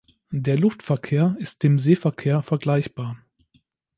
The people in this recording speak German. Der Luftverkehr ist dem Seeverkehr vergleichbar.